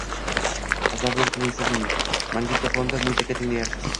Tasavvur qiling: siz magnitafonda muzika tinglayapsiz.